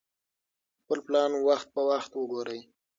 خپل پلان وخت په وخت وګورئ.